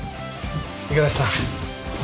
五十嵐さん。